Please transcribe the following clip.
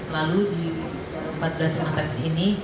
lalu di empat belas rumah sakit ini